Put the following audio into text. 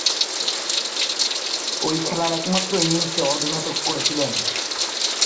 ঐ খেলার একমাত্র ইনিংসে অর্ধ-শতক করেছিলেন।